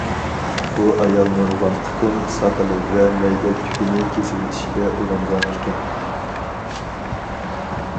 بۇ ئايال نۇرغۇن قېتىم ساقىلى ۋە مەيدە تۈكىنى كېسىۋېتىشكە ئۇرۇنغان ئىكەن.